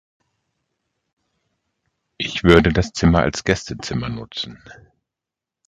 ... Ich würde das Zimmer als Gästezimmer nutzen.